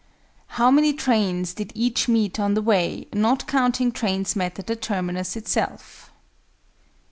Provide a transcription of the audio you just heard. How many trains did each meet on the way, not counting trains met at the terminus itself?"